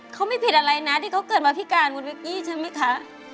เขาไม่ผิดอะไรนะที่เขาเกิดมาพิการคุณวิกกี้ใช่ไหมคะ